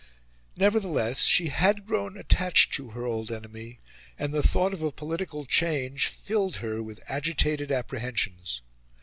Nevertheless, she had grown attached to her old enemy, and the thought of a political change filled her with agitated apprehensions.